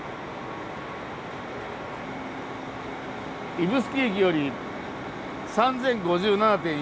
「指宿駅より３，０５７．４ｋｍ」。